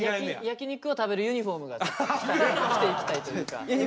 焼き肉を食べるユニフォームが着ていきたいというか。